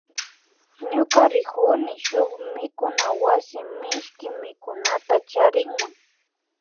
Ñuka rikuni shuk mikunawasi mishki mikunata charikma